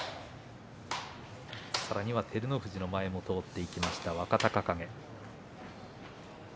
さらには照ノ富士の前も通っていきました若隆景。